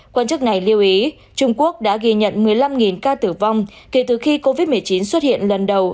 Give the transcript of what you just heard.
quan chức này lưu ý trung quốc đã ghi nhận một mươi năm ca tử vong kể từ khi covid một mươi chín xuất hiện lần đầu